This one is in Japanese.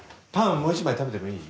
もう１枚食べてもいい？